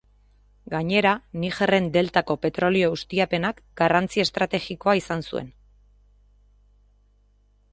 Gainera Nigerren deltako petrolio ustiapenak garrantzi estrategikoa izan zuen.